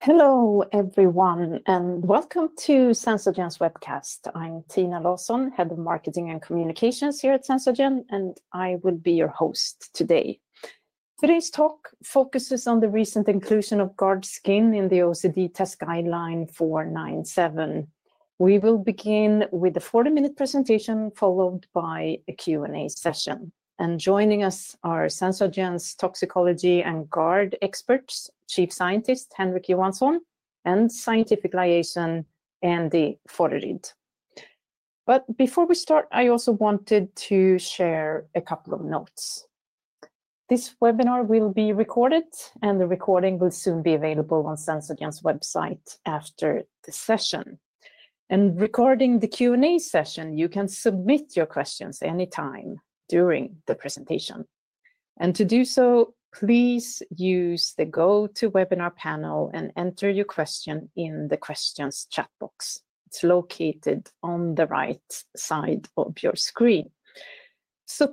Hello everyone, and welcome to SenzaGen's webcast. I'm Tina Lawesson, Head of Marketing and Communications here at SenzaGen, and I will be your host today. Today's talk focuses on the recent inclusion of GARD-skin in the OECD Test Guideline 497. We will begin with a 40-minute presentation followed by a Q&A session. Joining us are SenzaGen's toxicology and GARD experts, Chief Scientist Henrik Johansson, and Scientific Liaison Andy Fodderyd. Before we start, I also wanted to share a couple of notes. This webinar will be recorded, and the recording will soon be available on SenzaGen's website after the session. Regarding the Q&A session, you can submit your questions anytime during the presentation. To do so, please use the GoToWebinar panel and enter your question in the questions chat box. It's located on the right side of your screen.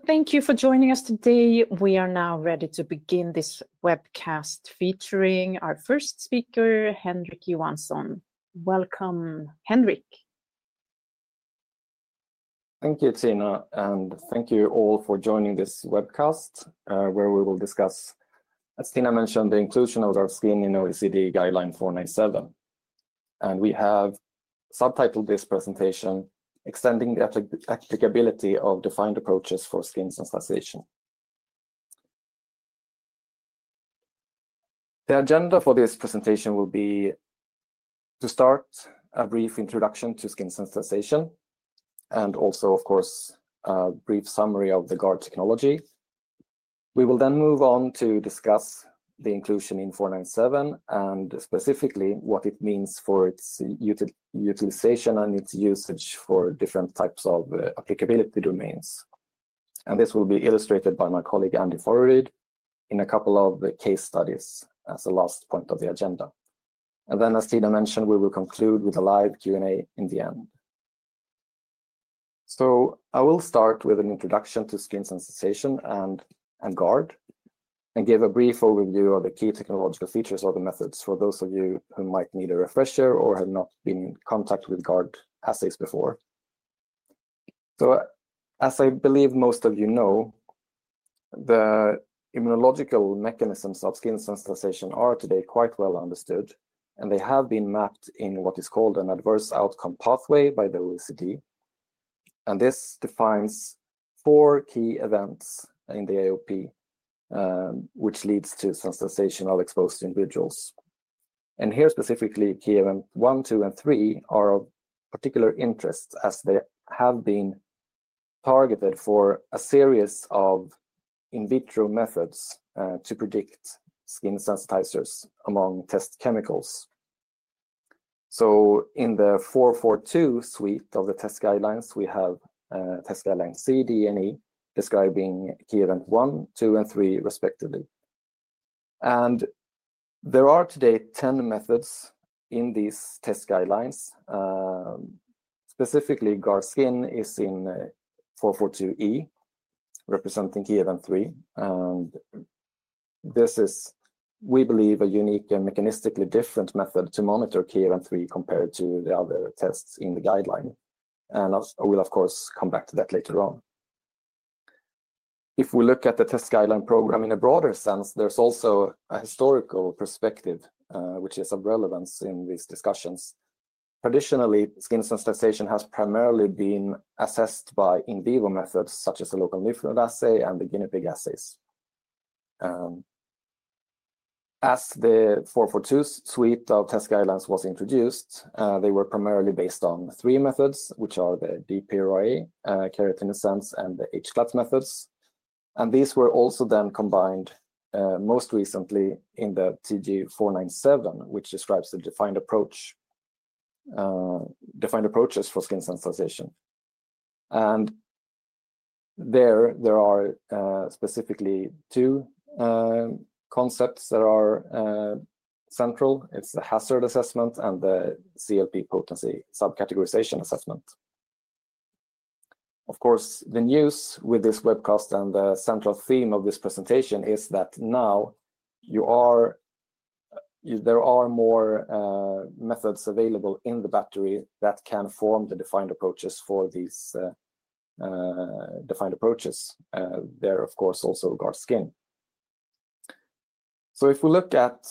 Thank you for joining us today. We are now ready to begin this webcast featuring our first speaker, Henrik Johansson. Welcome, Henrik. Thank you, Tina, and thank you all for joining this webcast where we will discuss, as Tina mentioned, the inclusion of our skin in OECD guideline 497. We have subtitled this presentation, "Extending the Applicability of Defined Approaches for Skin Sensitization." The agenda for this presentation will be, to start, a brief introduction to skin sensitization, and also, of course, a brief summary of the GARD technology. We will then move on to discuss the inclusion in 497, and specifically what it means for its utilization and its usage for different types of applicability domains. This will be illustrated by my colleague Andy Forreryd in a couple of case studies as the last point of the agenda. As Tina mentioned, we will conclude with a live Q&A in the end. I will start with an introduction to skin sensitization and GARD, and give a brief overview of the key technological features or the methods for those of you who might need a refresher or have not been in contact with GARD assays before. As I believe most of you know, the immunological mechanisms of skin sensitization are today quite well understood, and they have been mapped in what is called an adverse outcome pathway by the OECD. This defines four key events in the AOP, which leads to sensitization of exposed individuals. Here specifically, key event one, two, and three are of particular interest as they have been targeted for a series of in vitro methods to predict skin sensitizers among test chemicals. In the 442 suite of the test guidelines, we have test guideline C, D, and E describing key event one, two, and three, respectively. There are today 10 methods in these test guidelines. Specifically, GARD-skin is in 442E, representing key event three. This is, we believe, a unique and mechanistically different method to monitor key event three compared to the other tests in the guideline. I will, of course, come back to that later on. If we look at the test guideline program in a broader sense, there's also a historical perspective, which is of relevance in these discussions. Traditionally, skin sensitization has primarily been assessed by in vivo methods, such as the local lymph node assay and the guinea pig assays. As the 442 suite of test guidelines was introduced, they were primarily based on three methods, which are the DPRA, KeratinoSens, and the h-CLAT methods. These were also then combined most recently in the TG 497, which describes the defined approach for skin sensitization. There are specifically two concepts that are central. It's the hazard assessment and the CLP potency subcategorization assessment. Of course, the news with this webcast and the central theme of this presentation is that now there are more methods available in the battery that can form the defined approaches for these defined approaches. There is, of course, also GARD-skin. If we look at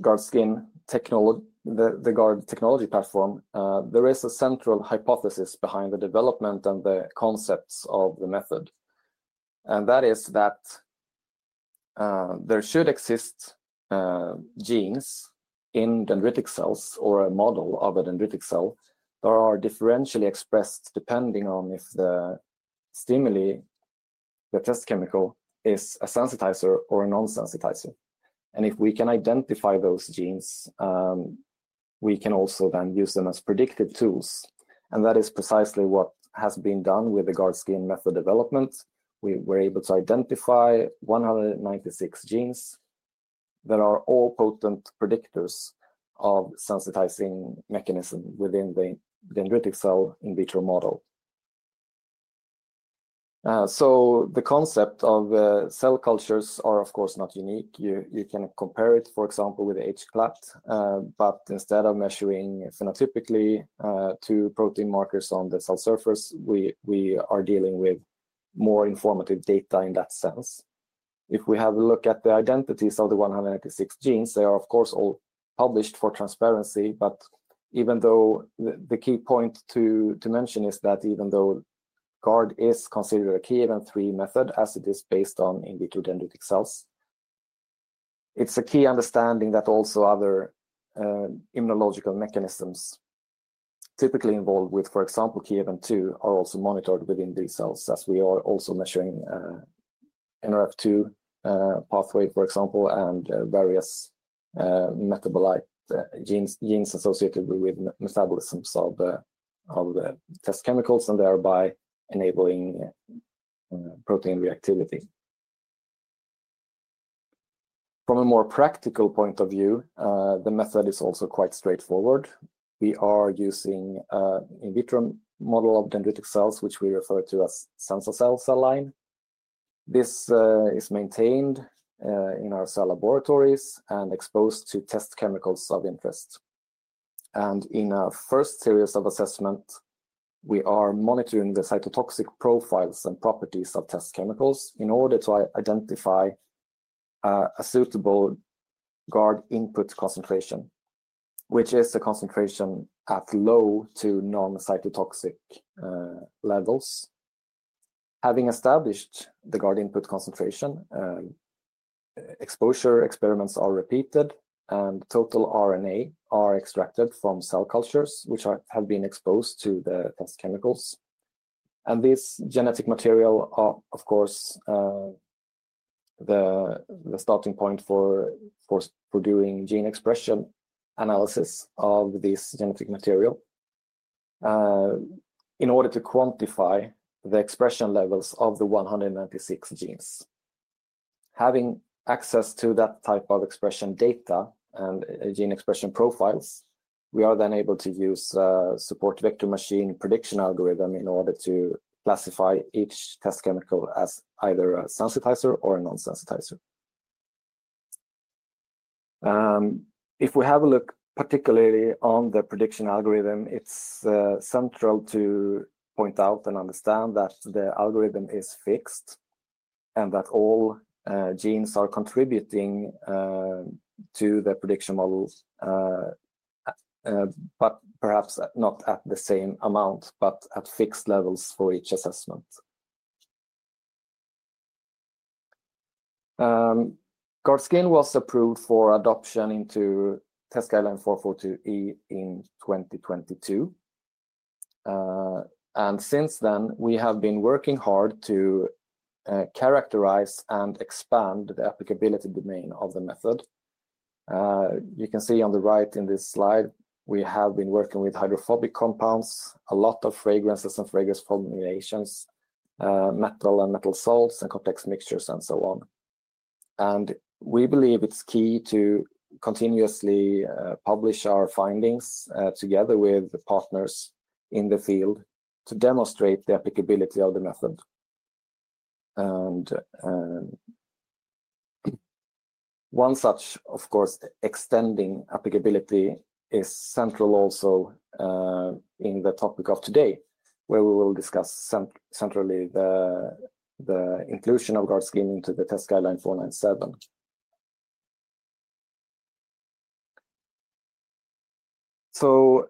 GARD-skin technology, the GARD technology platform, there is a central hypothesis behind the development and the concepts of the method. That is that there should exist genes in dendritic cells or a model of a dendritic cell that are differentially expressed depending on if the stimuli, the test chemical, is a sensitizer or a non-sensitizer. If we can identify those genes, we can also then use them as predictive tools. That is precisely what has been done with the GARD-skin method development. We were able to identify 196 genes that are all potent predictors of sensitizing mechanism within the dendritic cell in vitro model. The concept of cell cultures is, of course, not unique. You can compare it, for example, with h-CLAT, but instead of measuring phenotypically two protein markers on the cell surface, we are dealing with more informative data in that sense. If we have a look at the identities of the 196 genes, they are, of course, all published for transparency. Even though the key point to mention is that even though GARD-skin is considered a key event 3 method, as it is based on in vitro dendritic cells, it's a key understanding that also other immunological mechanisms typically involved with, for example, key event 2 are also monitored within these cells, as we are also measuring Nrf2 pathway, for example, and various metabolite genes associated with metabolisms of the test chemicals and thereby enabling protein reactivity. From a more practical point of view, the method is also quite straightforward. We are using an in vitro model of dendritic cells, which we refer to as SensaCell cell line. This is maintained in our cell laboratories and exposed to test chemicals of interest. In our first series of assessments, we are monitoring the cytotoxic profiles and properties of test chemicals in order to identify a suitable GARD input concentration, which is a concentration at low to non-cytotoxic levels. Having established the GARD input concentration, exposure experiments are repeated, and total RNA is extracted from cell cultures, which have been exposed to the test chemicals. This genetic material is, of course, the starting point for doing gene expression analysis of this genetic material in order to quantify the expression levels of the 196 genes. Having access to that type of expression data and gene expression profiles, we are then able to use a support vector machine prediction algorithm in order to classify each test chemical as either a sensitizer or a non-sensitizer. If we have a look particularly on the prediction algorithm, it's central to point out and understand that the algorithm is fixed and that all genes are contributing to the prediction models, but perhaps not at the same amount, but at fixed levels for each assessment. GARD-skin was approved for adoption into test guideline 442E in 2022. Since then, we have been working hard to characterize and expand the applicability domain of the method. You can see on the right in this slide, we have been working with hydrophobic compounds, a lot of fragrances and fragrance formulations, metal and metal salts, and complex mixtures, and so on. We believe it's key to continuously publish our findings together with the partners in the field to demonstrate the applicability of the method. One such, of course, extending applicability is central also in the topic of today, where we will discuss centrally the inclusion of GARD-skin into the Test Guideline 497. Test Guideline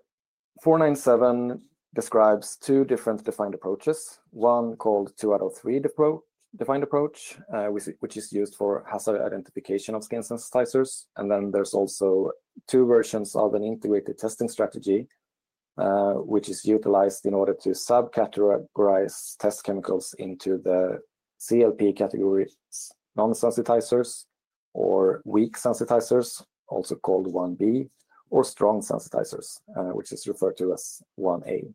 497 describes two different defined approaches, one called 2(3) Defined Approach, which is used for hazard identification of skin sensitizers. There are also two versions of an Integrated Testing Strategy, which is utilized in order to subcategorize test chemicals into the CLP categories, non-sensitizers or weak sensitizers, also called 1B, or strong sensitizers, which is referred to as 1A.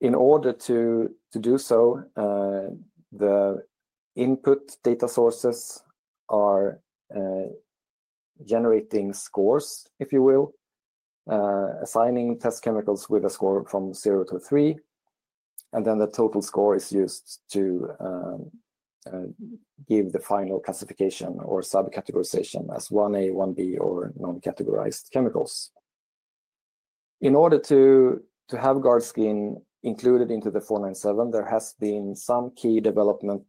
In order to do so, the input data sources are generating scores, if you will, assigning test chemicals with a score from zero to three. The total score is used to give the final classification or subcategorization as 1A, 1B, or non-categorized chemicals. In order to have GARD-skin included into the 497, there has been some key development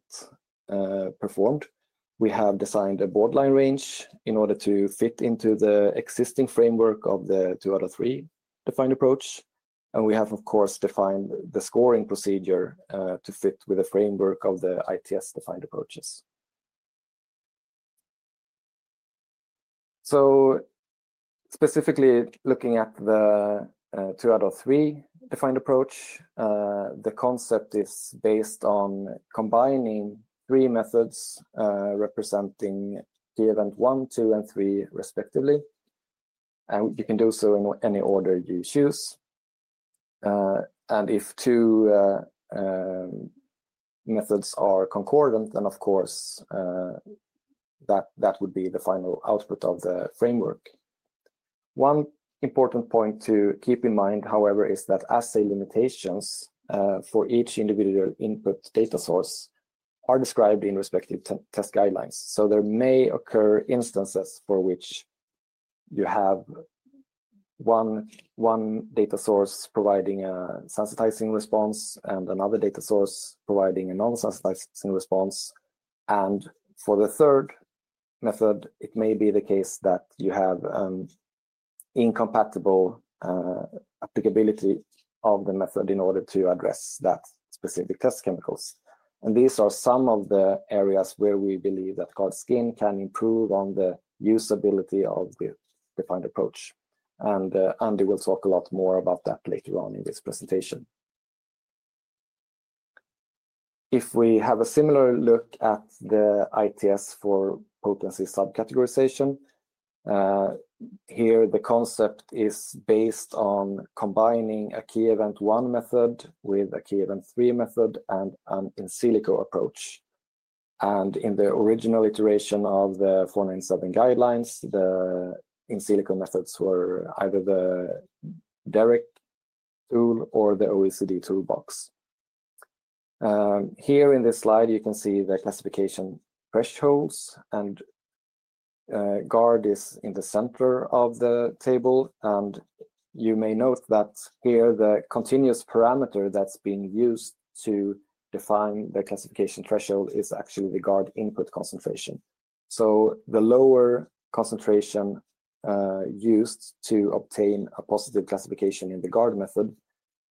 performed. We have designed a borderline range in order to fit into the existing framework of the 2(3) Defined Approach. We have, of course, defined the scoring procedure to fit with the framework of the ITS Defined Approaches. Specifically looking at the 2(3) Defined Approach, the concept is based on combining three methods representing key event one, two, and three, respectively. You can do so in any order you choose. If two methods are concordant, then, of course, that would be the final output of the framework. One important point to keep in mind, however, is that assay limitations for each individual input data source are described in respective test guidelines. There may occur instances for which you have one data source providing a sensitizing response and another data source providing a non-sensitizing response. For the third method, it may be the case that you have an incompatible applicability of the method in order to address that specific test chemicals. These are some of the areas where we believe that GARD-skin can improve on the usability of the defined approach. Andy will talk a lot more about that later on in this presentation. If we have a similar look at the ITS for potency subcategorization, here the concept is based on combining a key event 1 method with a key event 3 method and an in silico approach. In the original iteration of the 497 guidelines, the in silico methods were either the DEREK tool or the OECD toolbox. Here in this slide, you can see the classification thresholds, and GARD is in the center of the table. You may note that here the continuous parameter that's being used to define the classification threshold is actually the GARD input concentration. The lower concentration used to obtain a positive classification in the GARD method,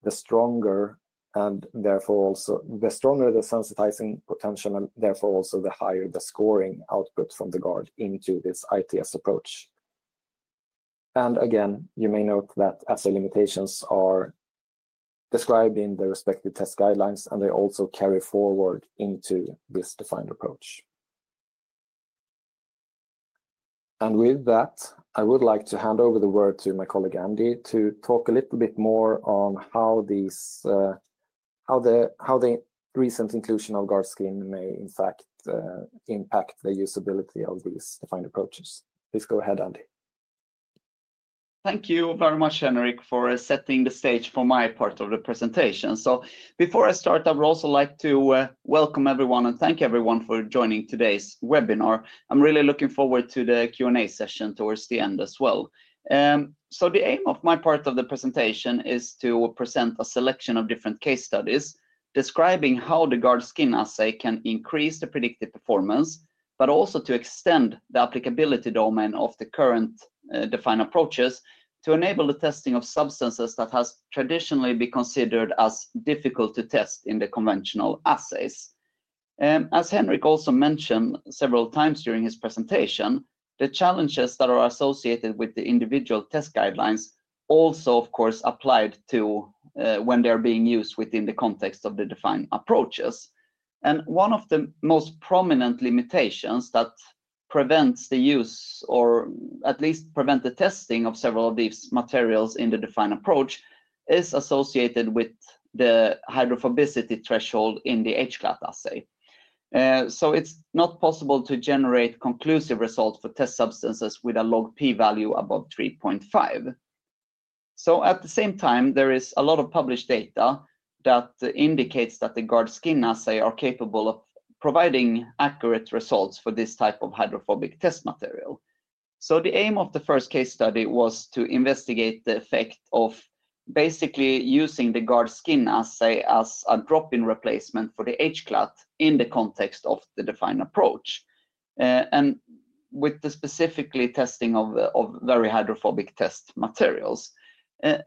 the stronger, and therefore also the stronger the sensitizing potential, and therefore also the higher the scoring output from the GARD into this ITS approach. You may note that assay limitations are described in the respective test guidelines, and they also carry forward into this defined approach. With that, I would like to hand over the word to my colleague Andy to talk a little bit more on how the recent inclusion of GARD-skin may, in fact, impact the usability of these defined approaches. Please go ahead, Andy. Thank you very much, Henrik, for setting the stage for my part of the presentation. Before I start, I would also like to welcome everyone and thank everyone for joining today's webinar. I'm really looking forward to the Q&A session towards the end as well. The aim of my part of the presentation is to present a selection of different case studies describing how the GARD-skin assay can increase the predictive performance, but also to extend the applicability domain of the current defined approaches to enable the testing of substances that have traditionally been considered as difficult to test in the conventional assays. As Henrik also mentioned several times during his presentation, the challenges that are associated with the individual test guidelines also, of course, apply to when they are being used within the context of the defined approaches. One of the most prominent limitations that prevents the use or at least prevents the testing of several of these materials in the defined approach is associated with the hydrophobicity threshold in the h-CLAT assay. It is not possible to generate conclusive results for test substances with a log P value above 3.5. At the same time, there is a lot of published data that indicates that the GARD-skin assay is capable of providing accurate results for this type of hydrophobic test material. The aim of the first case study was to investigate the effect of basically using the GARD-skin assay as a drop-in replacement for the h-CLAT in the context of the defined approach, and with the specific testing of very hydrophobic test materials.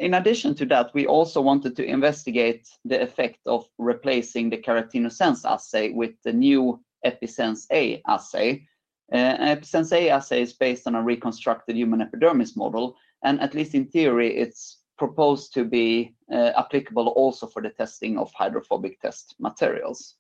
In addition to that, we also wanted to investigate the effect of replacing the KeratinoSens assay with the new EpiSensA assay. EpiSensA assay is based on a reconstructed human epidermis model, and at least in theory, it's proposed to be applicable also for the testing of hydrophobic test materials.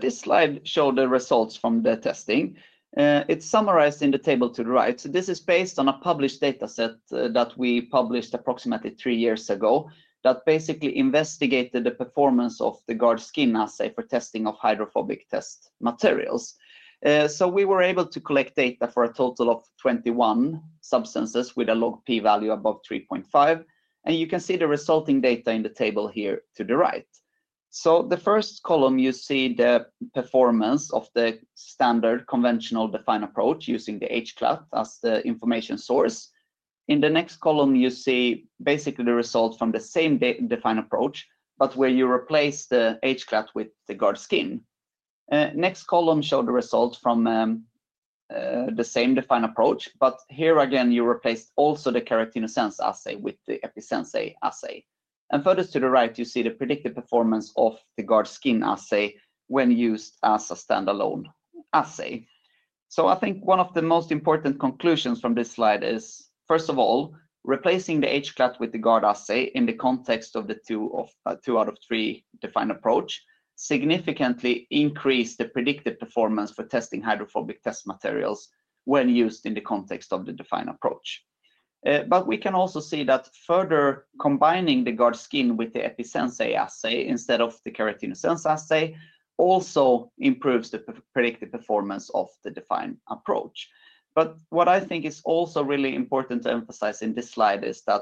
This slide showed the results from the testing. It's summarized in the table to the right. This is based on a published data set that we published approximately three years ago that basically investigated the performance of the GARD-skin assay for testing of hydrophobic test materials. We were able to collect data for a total of 21 substances with a log P value above 3.5. You can see the resulting data in the table here to the right. The first column, you see the performance of the standard conventional defined approach using the h-CLAT as the information source. In the next column, you see basically the result from the same defined approach, but where you replace the h-CLAT with the GARD-skin. Next column showed the result from the same defined approach, but here again, you replaced also the KeratinoSens assay with the EpiSensA assay. Further to the right, you see the predicted performance of the GARD-skin assay when used as a standalone assay. I think one of the most important conclusions from this slide is, first of all, replacing the h-CLAT with the GARD-skin assay in the context of the 2(3) Defined Approach significantly increased the predicted performance for testing hydrophobic test materials when used in the context of the defined approach. We can also see that further combining the GARD-skin with the EpiSensA assay instead of the KeratinoSens assay also improves the predicted performance of the defined approach. What I think is also really important to emphasize in this slide is that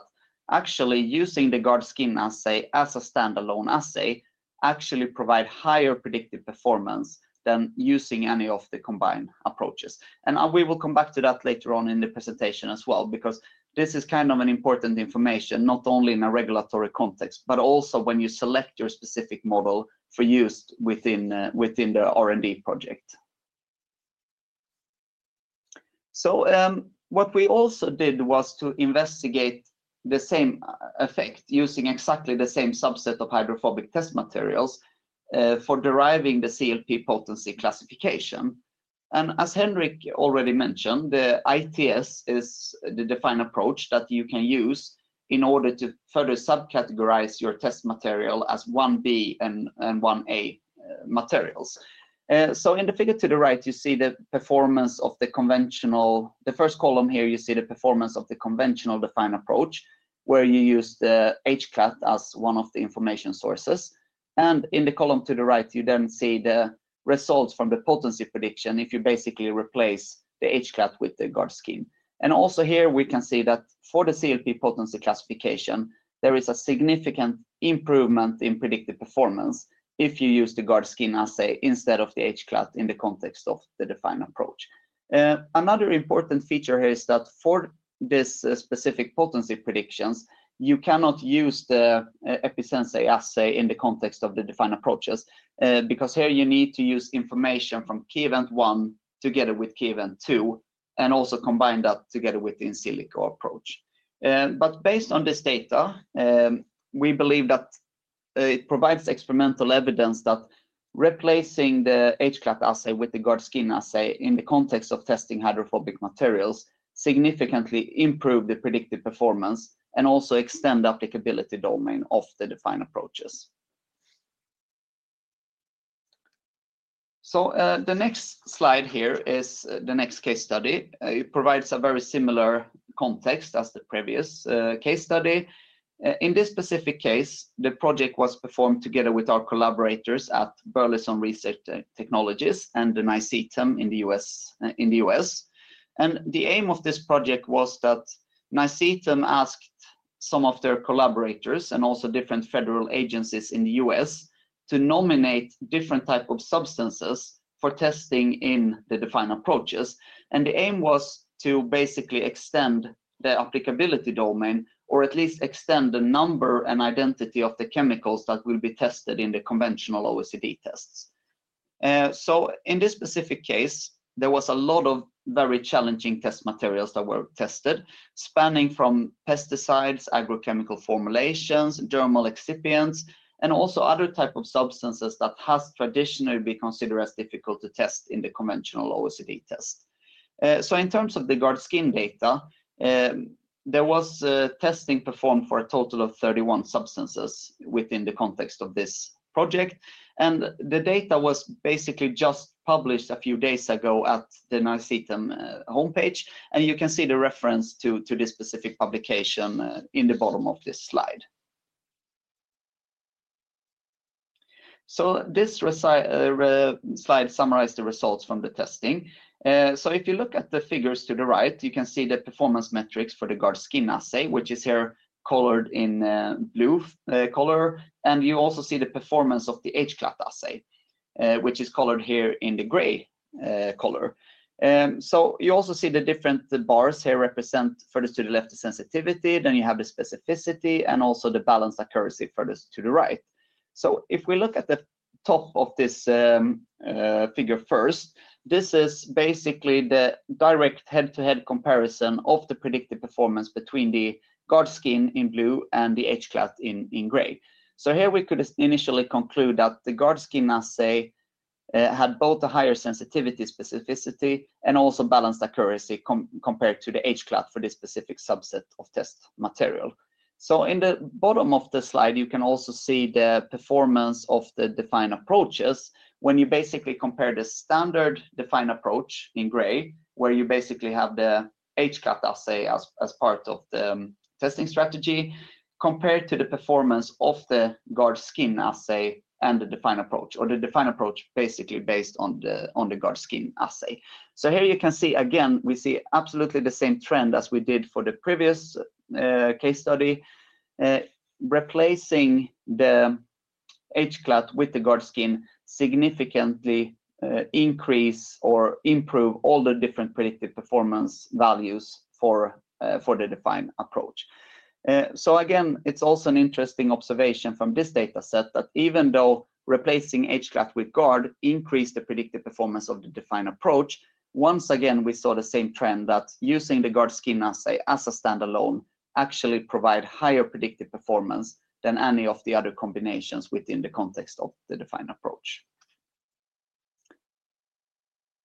actually using the GARD-skin assay as a standalone assay actually provides higher predictive performance than using any of the combined approaches. We will come back to that later on in the presentation as well, because this is kind of important information not only in a regulatory context, but also when you select your specific model for use within the R&D project. What we also did was to investigate the same effect using exactly the same subset of hydrophobic test materials for deriving the CLP potency classification. As Henrik already mentioned, the ITS is the defined approach that you can use in order to further subcategorize your test material as 1B and 1A materials. In the figure to the right, you see the performance of the conventional, the first column here, you see the performance of the conventional defined approach, where you use the h-CLAT as one of the information sources. In the column to the right, you then see the results from the potency prediction if you basically replace the h-CLAT with the GARD-skin. Also here, we can see that for the CLP potency classification, there is a significant improvement in predictive performance if you use the GARD-skin assay instead of the h-CLAT in the context of the defined approach. Another important feature here is that for this specific potency predictions, you cannot use the EpiSensA assay in the context of the defined approaches, because here you need to use information from key event one together with key event two, and also combine that together with the in silico approach. Based on this data, we believe that it provides experimental evidence that replacing the h-CLAT assay with the GARD-skin assay in the context of testing hydrophobic materials significantly improves the predictive performance and also extends the applicability domain of the defined approaches. The next slide here is the next case study. It provides a very similar context as the previous case study. In this specific case, the project was performed together with our collaborators at Burleson Research Technologies and NICEATM in the United States. The aim of this project was that NICEATM asked some of their collaborators and also different federal agencies in the United States to nominate different types of substances for testing in the defined approaches. The aim was to basically extend the applicability domain, or at least extend the number and identity of the chemicals that will be tested in the conventional OECD tests. In this specific case, there was a lot of very challenging test materials that were tested, spanning from pesticides, agrochemical formulations, dermal excipients, and also other types of substances that have traditionally been considered as difficult to test in the conventional OECD test. In terms of the GARD-skin data, there was testing performed for a total of 31 substances within the context of this project. The data was basically just published a few days ago at the NICEATM homepage. You can see the reference to this specific publication in the bottom of this slide. This slide summarized the results from the testing. If you look at the figures to the right, you can see the performance metrics for the GARD-skin assay, which is here colored in blue color. You also see the performance of the h-CLAT assay, which is colored here in the gray color. You also see the different bars here represent further to the left the sensitivity. Then you have the specificity and also the balanced accuracy further to the right. If we look at the top of this figure first, this is basically the direct head-to-head comparison of the predicted performance between the GARD-skin in blue and the h-CLAT in gray. Here we could initially conclude that the GARD-skin assay had both a higher sensitivity, specificity, and also balanced accuracy compared to the h-CLAT for this specific subset of test material. In the bottom of the slide, you can also see the performance of the defined approaches when you basically compare the standard defined approach in gray, where you basically have the h-CLAT assay as part of the testing strategy, compared to the performance of the GARD-skin assay and the defined approach, or the defined approach basically based on the GARD-skin assay. Here you can see again, we see absolutely the same trend as we did for the previous case study. Replacing the h-CLAT with the GARD-skin significantly increased or improved all the different predictive performance values for the defined approach. Again, it's also an interesting observation from this data set that even though replacing h-CLAT with GARD increased the predictive performance of the defined approach, once again, we saw the same trend that using the GARD-skin assay as a standalone actually provides higher predictive performance than any of the other combinations within the context of the defined approach.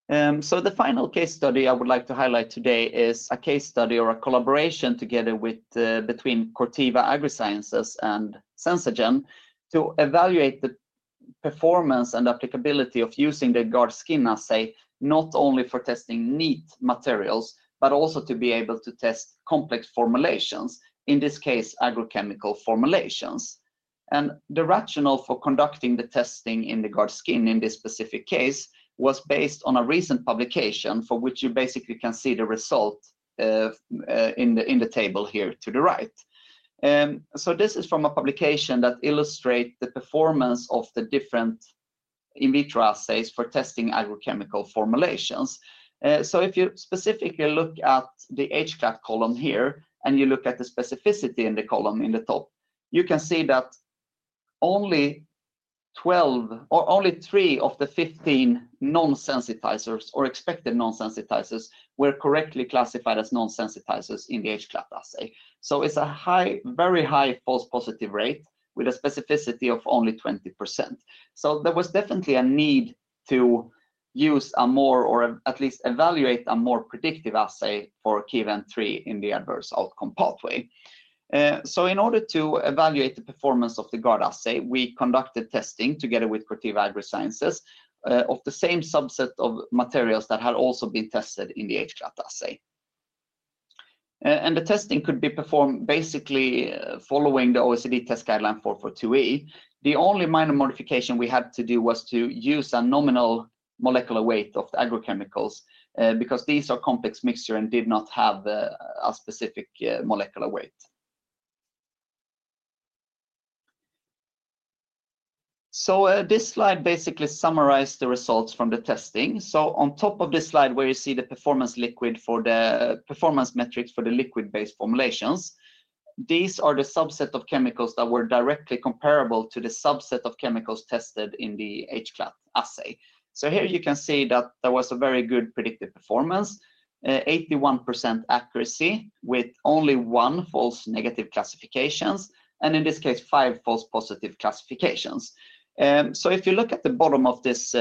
The final case study I would like to highlight today is a case study or a collaboration together between Corteva Agri Sciences and SenzaGen to evaluate the performance and applicability of using the GARD-skin assay not only for testing neat materials, but also to be able to test complex formulations, in this case, agrochemical formulations. The rationale for conducting the testing in the GARD-skin in this specific case was based on a recent publication for which you basically can see the result in the table here to the right. This is from a publication that illustrates the performance of the different in vitro assays for testing agrochemical formulations. If you specifically look at the h-CLAT column here and you look at the specificity in the column in the top, you can see that only 12 or only 3 of the 15 non-sensitizers or expected non-sensitizers were correctly classified as non-sensitizers in the h-CLAT assay. It is a very high false positive rate with a specificity of only 20%. There was definitely a need to use a more or at least evaluate a more predictive assay for key event three in the adverse outcome pathway. In order to evaluate the performance of the GARD-skin assay, we conducted testing together with Corteva Agri Sciences of the same subset of materials that had also been tested in the h-CLAT assay. The testing could be performed basically following the OECD Test Guideline 442E. The only minor modification we had to do was to use a nominal molecular weight of the agrochemicals because these are complex mixtures and did not have a specific molecular weight. This slide basically summarizes the results from the testing. On top of this slide, where you see the performance metrics for the liquid-based formulations, these are the subset of chemicals that were directly comparable to the subset of chemicals tested in the h-CLAT assay. Here you can see that there was a very good predictive performance, 81% accuracy with only one false negative classification, and in this case, five false positive classifications. If you look at the bottom of this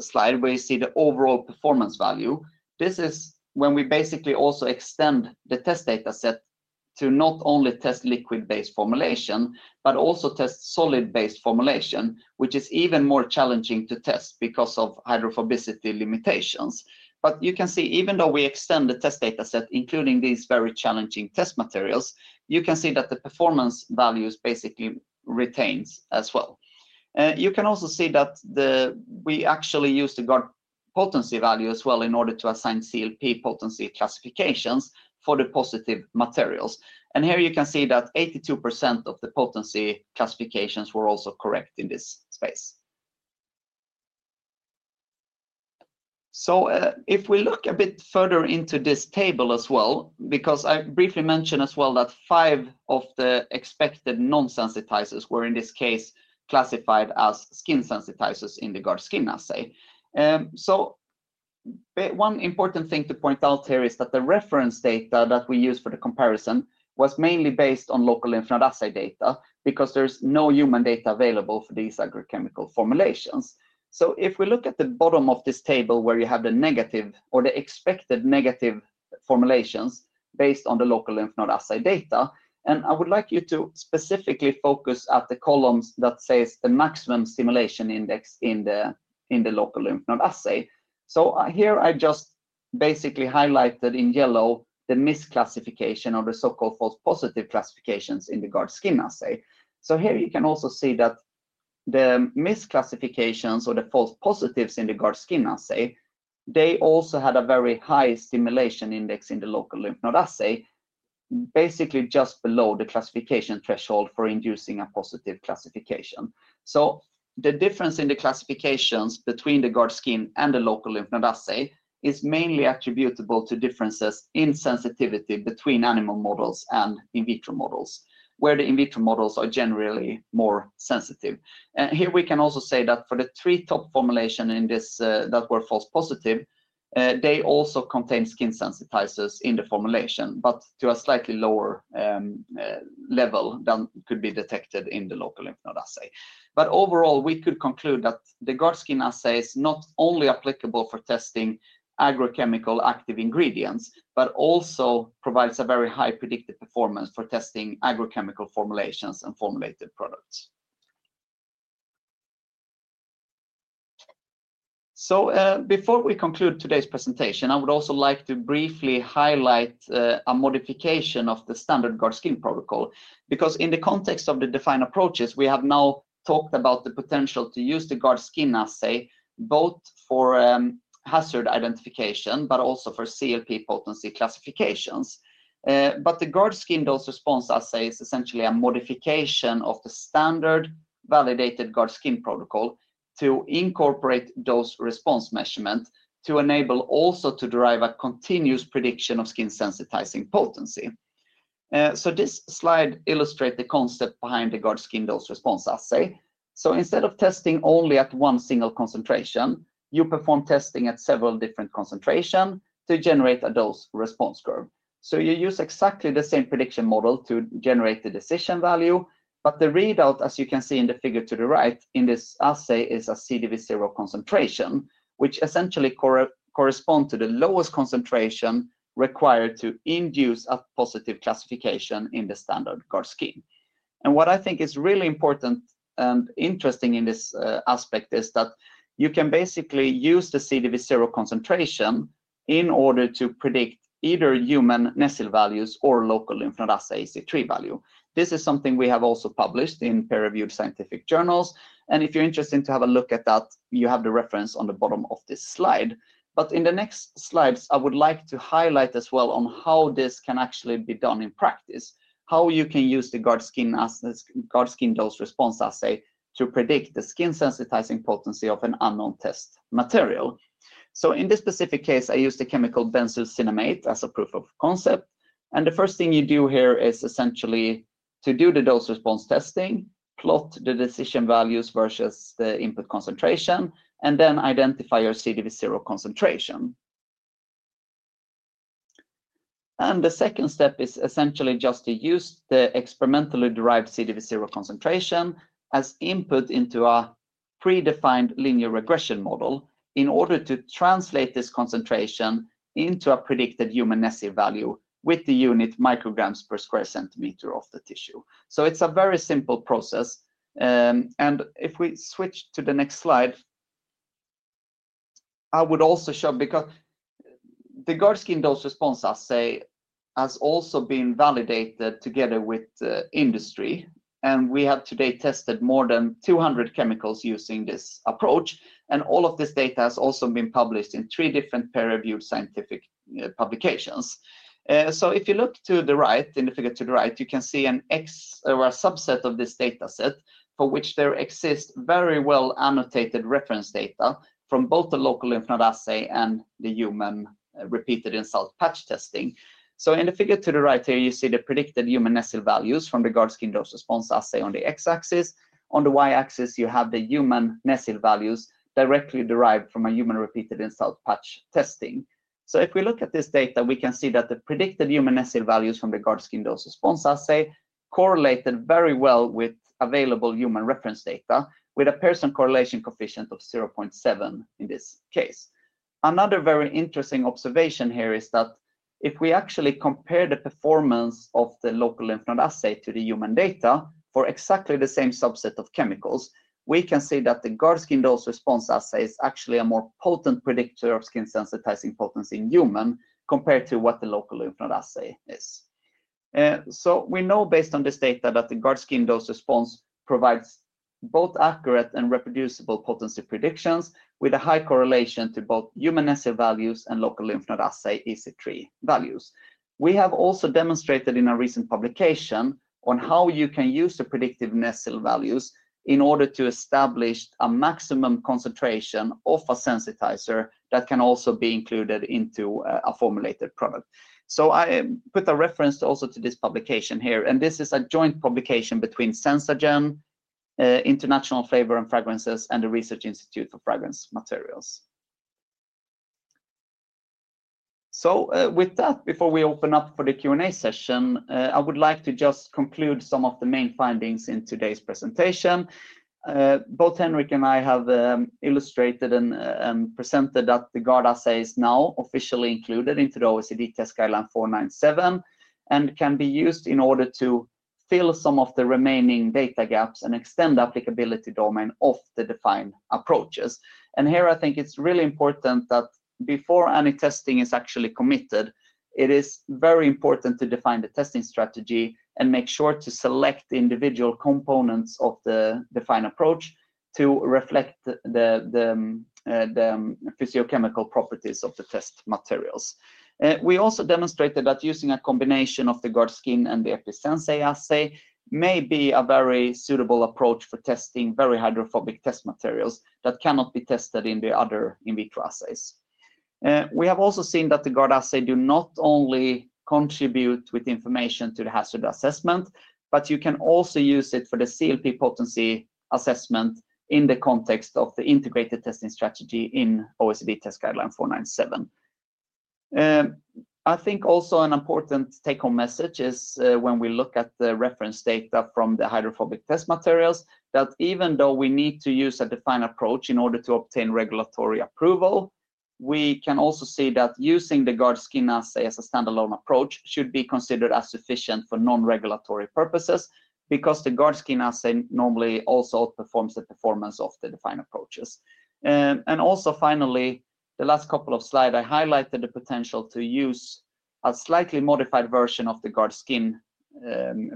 slide, where you see the overall performance value, this is when we basically also extend the test data set to not only test liquid-based formulation, but also test solid-based formulation, which is even more challenging to test because of hydrophobicity limitations. You can see even though we extend the test data set, including these very challenging test materials, you can see that the performance values basically retain as well. You can also see that we actually used the GARD potency value as well in order to assign CLP potency classifications for the positive materials. Here you can see that 82% of the potency classifications were also correct in this space. If we look a bit further into this table as well, because I briefly mentioned as well that five of the expected non-sensitizers were in this case classified as skin sensitizers in the GARD-skin assay. One important thing to point out here is that the reference data that we used for the comparison was mainly based on Local Lymph Node Assay data, because there's no human data available for these agrochemical formulations. If we look at the bottom of this table, where you have the negative or the expected negative formulations based on the Local Lymph Node Assay data, I would like you to specifically focus at the column that says the maximum stimulation index in the Local Lymph Node Assay. Here I just basically highlighted in yellow the misclassification of the so-called false positive classifications in the GARD-skin assay. Here you can also see that the misclassifications or the false positives in the GARD-skin assay, they also had a very high stimulation index in the local lymph node assay, basically just below the classification threshold for inducing a positive classification. The difference in the classifications between the GARD-skin and the local lymph node assay is mainly attributable to differences in sensitivity between animal models and in vitro models, where the in vitro models are generally more sensitive. Here we can also say that for the three top formulations that were false positive, they also contain skin sensitizers in the formulation, but to a slightly lower level than could be detected in the local lymph node assay. Overall, we could conclude that the GARD-skin assay is not only applicable for testing agrochemical active ingredients, but also provides a very high predictive performance for testing agrochemical formulations and formulated products. Before we conclude today's presentation, I would also like to briefly highlight a modification of the standard GARD-skin protocol, because in the context of the defined approaches, we have now talked about the potential to use the GARD-skin assay both for hazard identification, but also for CLP potency classifications. The GARD-skin dose response assay is essentially a modification of the standard validated GARD-skin protocol to incorporate dose response measurement to enable also to derive a continuous prediction of skin sensitizing potency. This slide illustrates the concept behind the GARD-skin dose response assay. Instead of testing only at one single concentration, you perform testing at several different concentrations to generate a dose response curve. You use exactly the same prediction model to generate the decision value. The readout, as you can see in the figure to the right in this assay, is a CDV0 concentration, which essentially corresponds to the lowest concentration required to induce a positive classification in the standard GARD-skin. What I think is really important and interesting in this aspect is that you can basically use the CDV0 concentration in order to predict either human NESIL values or local lymph node assay AC3 value. This is something we have also published in peer-reviewed scientific journals. If you're interested to have a look at that, you have the reference on the bottom of this slide. In the next slides, I would like to highlight as well on how this can actually be done in practice, how you can use the GARD-skin dose response assay to predict the skin sensitizing potency of an unknown test material. In this specific case, I used the chemical benzosinamate as a proof of concept. The first thing you do here is essentially to do the dose response testing, plot the decision values versus the input concentration, and then identify your CDV0 concentration. The second step is essentially just to use the experimentally derived CDV0 concentration as input into a predefined linear regression model in order to translate this concentration into a predicted human NESIL value with the unit micrograms per square centimeter of the tissue. It's a very simple process. If we switch to the next slide, I would also show because the GARD-skin dose response assay has also been validated together with industry. We have today tested more than 200 chemicals using this approach. All of this data has also been published in three different peer-reviewed scientific publications. If you look to the right in the figure to the right, you can see an example or a subset of this data set for which there exists very well annotated reference data from both the Local Lymph Node Assay and the human repeated insult patch testing. In the figure to the right here, you see the predicted human NESIL values from the GARD-skin dose response assay on the X axis. On the Y axis, you have the human NESIL values directly derived from a human repeated insult patch testing. If we look at this data, we can see that the predicted human NESIL values from the GARD-skin dose response assay correlated very well with available human reference data, with a Pearson correlation coefficient of 0.7 in this case. Another very interesting observation here is that if we actually compare the performance of the local lymph node assay to the human data for exactly the same subset of chemicals, we can see that the GARD-skin dose response assay is actually a more potent predictor of skin sensitizing potency in human compared to what the local lymph node assay is. We know based on this data that the GARD-skin dose response provides both accurate and reproducible potency predictions with a high correlation to both human NESIL values and local lymph node assay AC3 values. We have also demonstrated in a recent publication on how you can use the predictive NESIL values in order to establish a maximum concentration of a sensitizer that can also be included into a formulated product. I put a reference also to this publication here. This is a joint publication between SenzaGen, International Flavors and Fragrances, and the Research Institute for Fragrance Materials. With that, before we open up for the Q&A session, I would like to just conclude some of the main findings in today's presentation. Both Henrik and I have illustrated and presented that the GARD assay is now officially included into the OECD Test Guideline 497 and can be used in order to fill some of the remaining data gaps and extend the applicability domain of the defined approaches. I think it's really important that before any testing is actually committed, it is very important to define the testing strategy and make sure to select individual components of the defined approach to reflect the physicochemical properties of the test materials. We also demonstrated that using a combination of the GARD-skin and the EpiSensA assay may be a very suitable approach for testing very hydrophobic test materials that cannot be tested in the other in vitro assays. We have also seen that the GARD-skin assay does not only contribute with information to the hazard assessment, but you can also use it for the CLP potency assessment in the context of the integrated testing strategy in OECD Test Guideline 497. I think also an important take-home message is when we look at the reference data from the hydrophobic test materials that even though we need to use a defined approach in order to obtain regulatory approval, we can also see that using the GARD-skin assay as a standalone approach should be considered as sufficient for non-regulatory purposes because the GARD-skin assay normally also outperforms the performance of the defined approaches. Finally, the last couple of slides I highlighted the potential to use a slightly modified version of the GARD-skin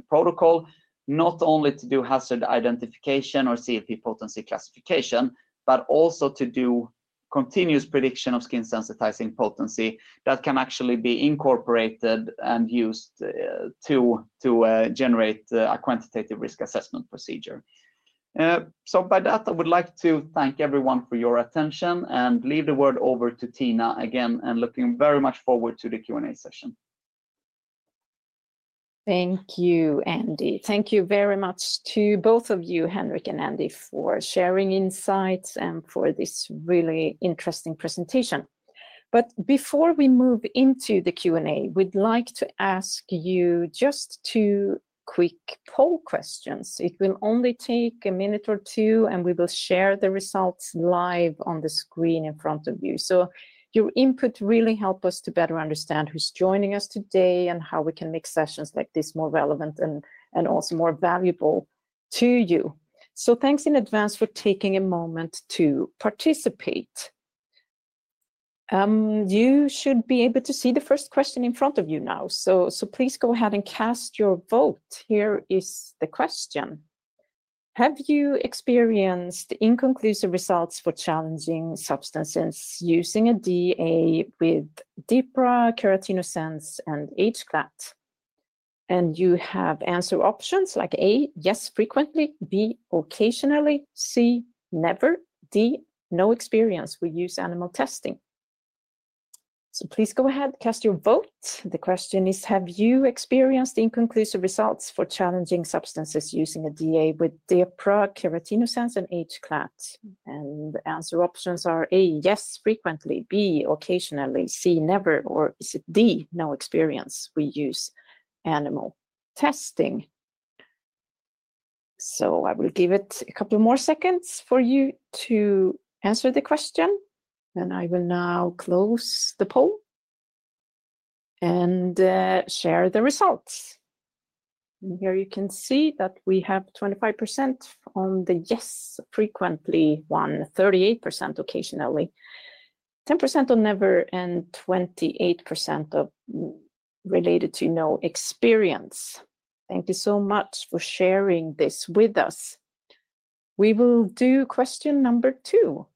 protocol, not only to do hazard identification or CLP potency classification, but also to do continuous prediction of skin sensitizing potency that can actually be incorporated and used to generate a quantitative risk assessment procedure. By that, I would like to thank everyone for your attention and leave the word over to Tina again, and looking very much forward to the Q&A session. Thank you, Andy. Thank you very much to both of you, Henrik and Andy, for sharing insights and for this really interesting presentation. Before we move into the Q&A, we'd like to ask you just two quick poll questions. It will only take a minute or two, and we will share the results live on the screen in front of you. Your input really helps us to better understand who's joining us today and how we can make sessions like this more relevant and also more valuable to you. Thanks in advance for taking a moment to participate. You should be able to see the first question in front of you now. Please go ahead and cast your vote. Here is the question. Have you experienced inconclusive results for challenging substances using a DA with DPRA, KeratinoSens, and h-CLAT? You have answer options like A, yes, frequently; B, occasionally; C, never; D, no experience with use animal testing. Please go ahead, cast your vote. The question is, have you experienced inconclusive results for challenging substances using a DA with DPRA, KeratinoSens, and h-CLAT? The answer options are A, yes, frequently; B, occasionally; C, never; or is it D, no experience with use animal testing? I will give it a couple more seconds for you to answer the question. I will now close the poll and share the results. Here you can see that we have 25% on the yes, frequently; 38% occasionally; 10% on never; and 28% related to no experience. Thank you so much for sharing this with us. We will do question number two.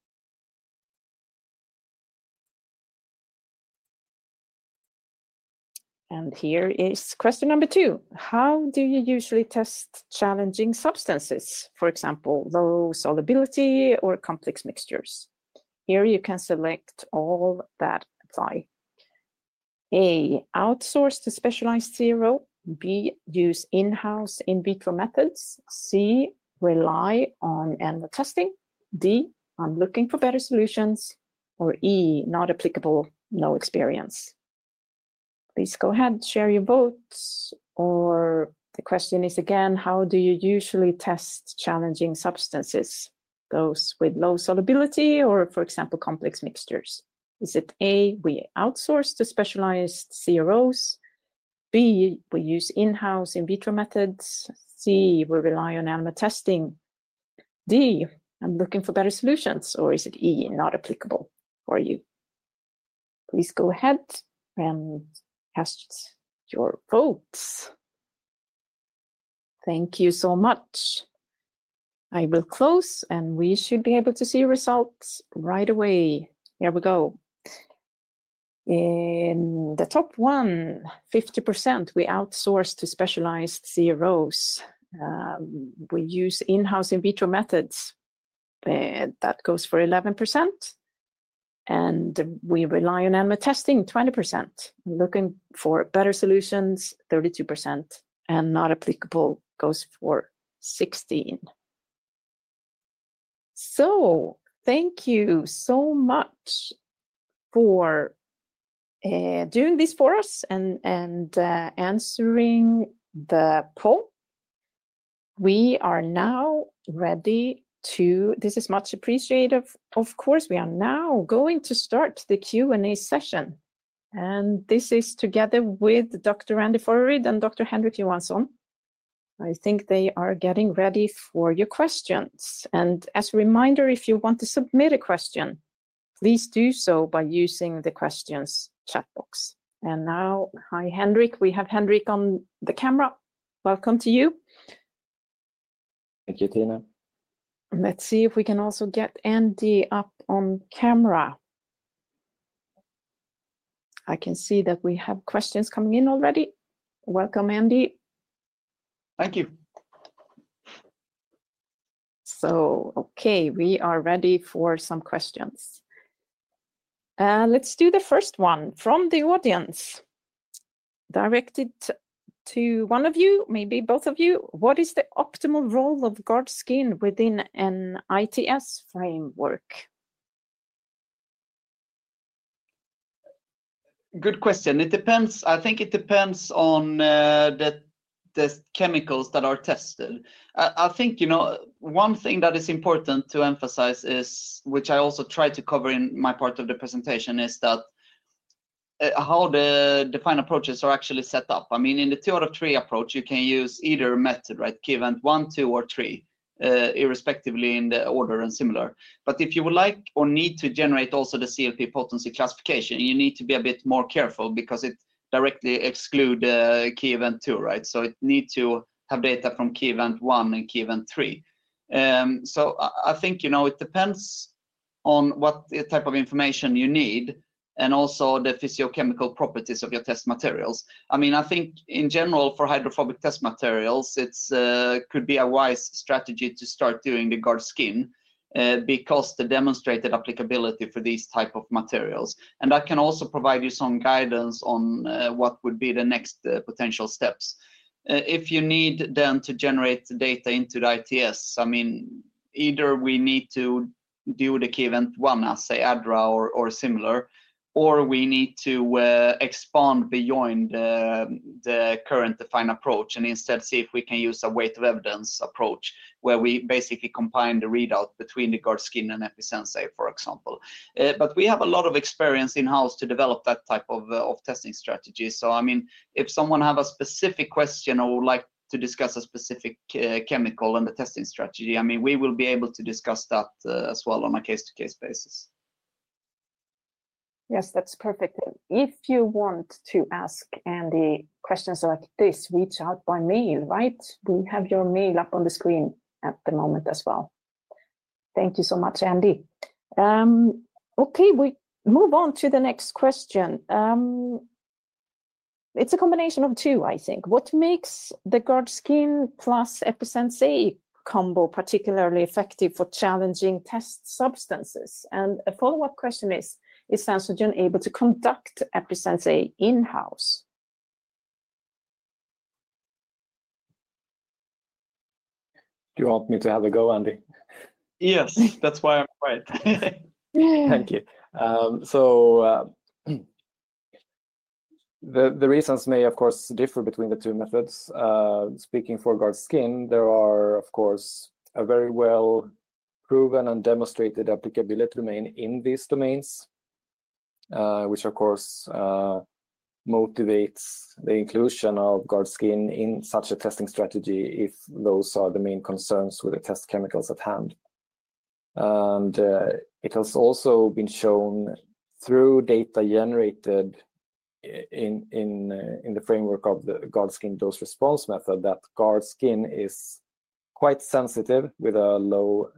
Here is question number two. How do you usually test challenging substances, for example, low solubility or complex mixtures? Here you can select all that apply. A, outsource to specialized CRO; B, use in-house in vitro methods; C, rely on animal testing; D, I'm looking for better solutions; or E, not applicable, no experience. Please go ahead, share your votes. The question is again, how do you usually test challenging substances, those with low solubility or, for example, complex mixtures? Is it A, we outsource to specialized CROs; B, we use in-house in vitro methods; C, we rely on animal testing; D, I'm looking for better solutions; or is it E, not applicable for you? Please go ahead and cast your votes. Thank you so much. I will close, and we should be able to see results right away. Here we go. In the top one, 50%, we outsource to specialized CROs. We use in-house in vitro methods. That goes for 11%. We rely on animal testing, 20%. Looking for better solutions, 32%. Not applicable goes for 16%. Thank you so much for doing this for us and answering the poll. We are now ready to—this is much appreciated, of course. We are now going to start the Q&A session. This is together with Dr. Andy Fodderyd and Dr. Henrik Johansson. I think they are getting ready for your questions. As a reminder, if you want to submit a question, please do so by using the questions chat box. Now, hi Henrik. We have Henrik on the camera. Welcome to you. Thank you, Tina. Let's see if we can also get Andy up on camera. I can see that we have questions coming in already. Welcome, Andy. Thank you. Okay, we are ready for some questions. Let's do the first one from the audience, directed to one of you, maybe both of you. What is the optimal role of GARD-skin within an ITS framework? Good question. It depends. I think it depends on the chemicals that are tested. I think, you know, one thing that is important to emphasize is, which I also try to cover in my part of the presentation, is that how the defined approaches are actually set up. I mean, in the two out of three approach, you can use either method, right, key event one, two, or three, irrespectively in the order and similar. If you would like or need to generate also the CLP potency classification, you need to be a bit more careful because it directly excludes key event two, right? It needs to have data from key event one and key event three. I think, you know, it depends on what type of information you need and also the physiochemical properties of your test materials. I mean, I think in general, for hydrophobic test materials, it could be a wise strategy to start doing the GARD-skin because of the demonstrated applicability for these types of materials. That can also provide you some guidance on what would be the next potential steps. If you need then to generate data into the ITS, I mean, either we need to do the key event one, I say DPRA or similar, or we need to expand beyond the current defined approach and instead see if we can use a weight of evidence approach where we basically combine the readout between the GARD-skin and EpiSensA, for example. We have a lot of experience in-house to develop that type of testing strategy. I mean, if someone has a specific question or would like to discuss a specific chemical and the testing strategy, I mean, we will be able to discuss that as well on a case-to-case basis. Yes, that's perfect. If you want to ask Andy questions like this, reach out by mail, right? We have your mail up on the screen at the moment as well. Thank you so much, Andy. Okay, we move on to the next question. It's a combination of two, I think. What makes the GARD-skin plus EpiSensA combo particularly effective for challenging test substances? A follow-up question is, is SenzaGen able to conduct EpiSensA in-house? Do you want me to have a go, Andy? Yes, that's why I'm quiet. Thank you. The reasons may, of course, differ between the two methods. Speaking for GARD-skin, there are, of course, very well-proven and demonstrated applicability domains in these domains, which, of course, motivate the inclusion of GARD-skin in such a testing strategy if those are the main concerns with the test chemicals at hand. It has also been shown through data generated in the framework of the GARD-skin dose response method that GARD-skin is quite sensitive with a low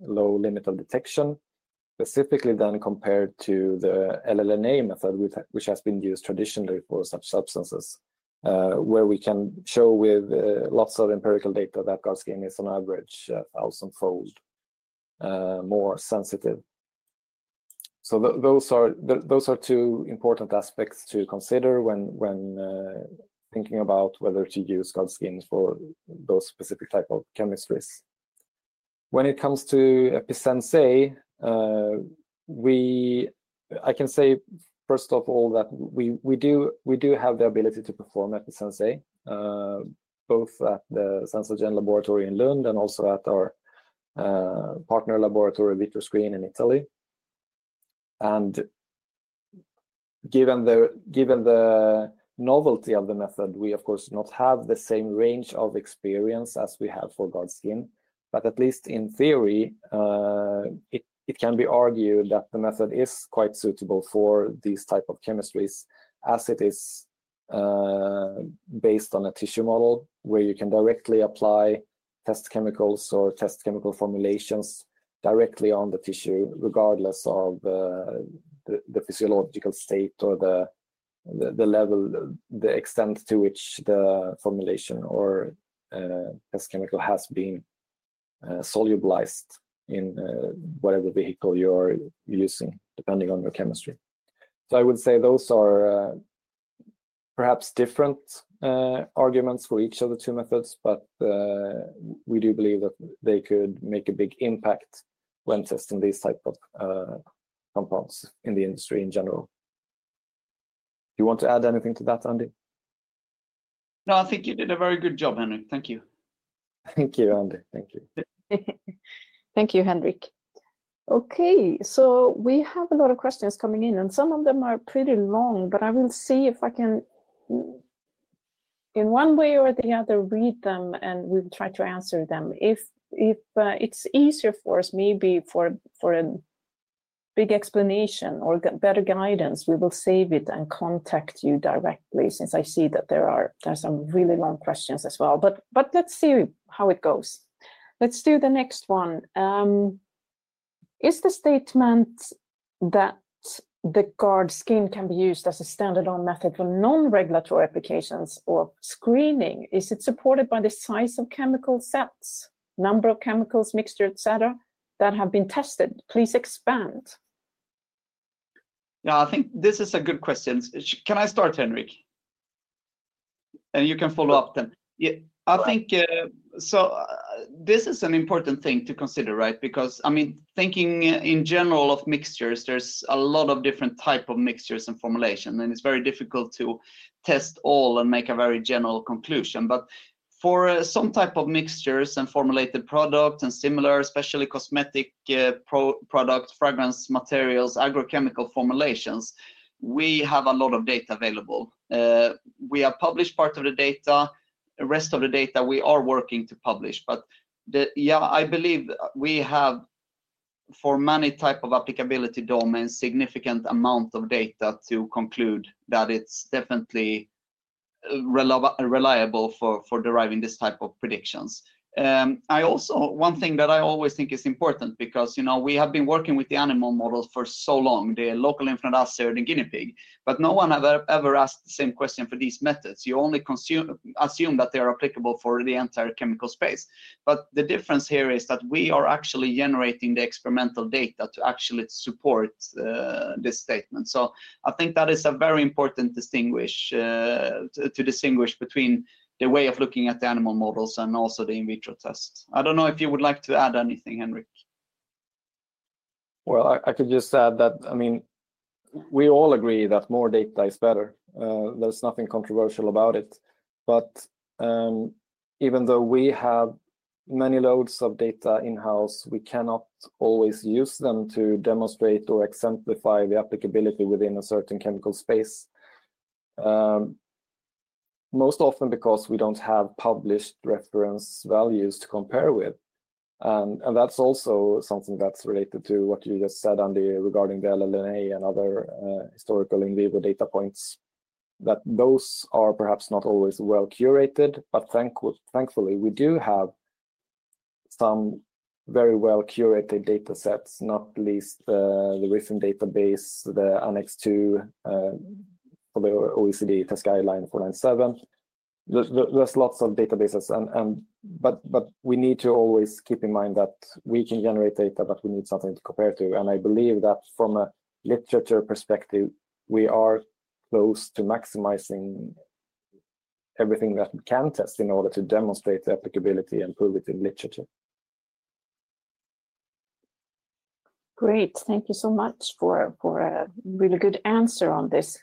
limit of detection, specifically then compared to the LLNA method, which has been used traditionally for such substances, where we can show with lots of empirical data that GARD-skin is, on average, a thousand-fold more sensitive. Those are two important aspects to consider when thinking about whether to use GARD-skin for those specific types of chemistries. When it comes to EpiSensA, I can say, first of all, that we do have the ability to perform EpiSensA, both at the SenzaGen laboratory in Lund and also at our partner laboratory, VitroScreen in Italy. Given the novelty of the method, we, of course, do not have the same range of experience as we have for GARD-skin. At least in theory, it can be argued that the method is quite suitable for these types of chemistries, as it is based on a tissue model where you can directly apply test chemicals or test chemical formulations directly on the tissue, regardless of the physiological state or the level, the extent to which the formulation or test chemical has been solubilized in whatever vehicle you are using, depending on your chemistry. I would say those are perhaps different arguments for each of the two methods, but we do believe that they could make a big impact when testing these types of compounds in the industry in general. Do you want to add anything to that, Andy? No, I think you did a very good job, Henrik. Thank you. Thank you, Andy. Thank you. Thank you, Henrik. Okay, so we have a lot of questions coming in, and some of them are pretty long, but I will see if I can, in one way or the other, read them, and we'll try to answer them. If it's easier for us, maybe for a big explanation or better guidance, we will save it and contact you directly, since I see that there are some really long questions as well. Let's see how it goes. Let's do the next one. Is the statement that the GARD-skin can be used as a standard on method for non-regulatory applications or screening, is it supported by the size of chemical sets, number of chemicals, mixture, et cetera, that have been tested? Please expand. Yeah, I think this is a good question. Can I start, Henrik? And you can follow up then. I think, so this is an important thing to consider, right? Because, I mean, thinking in general of mixtures, there's a lot of different types of mixtures and formulations, and it's very difficult to test all and make a very general conclusion. For some types of mixtures and formulated products and similar, especially cosmetic products, fragrance materials, agrochemical formulations, we have a lot of data available. We have published part of the data. The rest of the data, we are working to publish. Yeah, I believe we have, for many types of applicability domains, a significant amount of data to conclude that it's definitely reliable for deriving this type of predictions. One thing that I always think is important, because, you know, we have been working with the animal model for so long, the local lymph node assay or the guinea pig, but no one ever asked the same question for these methods. You only assume that they are applicable for the entire chemical space. The difference here is that we are actually generating the experimental data to actually support this statement. I think that is a very important distinction to distinguish between the way of looking at the animal models and also the in vitro tests. I don't know if you would like to add anything, Henrik. I could just add that, I mean, we all agree that more data is better. There's nothing controversial about it. Even though we have many loads of data in-house, we cannot always use them to demonstrate or exemplify the applicability within a certain chemical space, most often because we do not have published reference values to compare with. That is also something that is related to what you just said, Andy, regarding the LLNA and other historical in vivo data points, that those are perhaps not always well curated. Thankfully, we do have some very well-curated data sets, not least the recent database, the Annex 2 for the OECD Test Guideline 497. There are lots of databases. We need to always keep in mind that we can generate data, but we need something to compare to. I believe that from a literature perspective, we are close to maximizing everything that we can test in order to demonstrate the applicability and prove it in literature. Great. Thank you so much for a really good answer on this.